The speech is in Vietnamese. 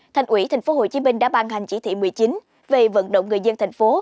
thành ủy tp hcm đã ban hành chỉ thị một mươi chín về vận động người dân thành phố